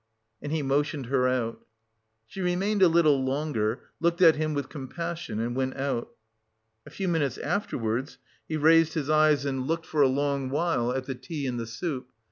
And he motioned her out. She remained a little longer, looked at him with compassion and went out. A few minutes afterwards, he raised his eyes and looked for a long while at the tea and the soup.